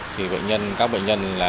các bệnh nhân không được tìm được